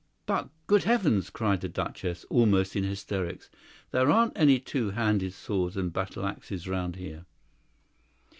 "But, good heavens!" cried the Duchess, almost in hysterics, "there aren't any two handed swords and battle axes round here."